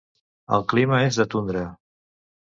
El clima és de tundra.